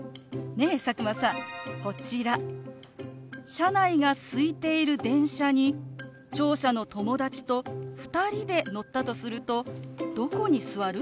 車内がすいている電車に聴者の友達と２人で乗ったとするとどこに座る？